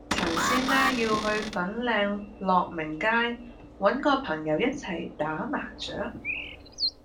陳師奶要去粉嶺樂鳴街搵個朋友一齊打麻雀